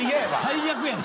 最悪やな。